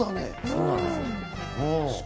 そうなんですよ。